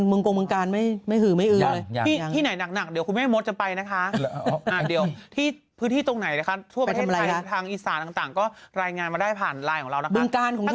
ส่งมาหน่อยว่าแต่ละที่เป็นยังไงกันบ้าง